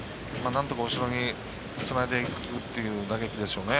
なんとか後ろにつないでいくという打撃でしょうね。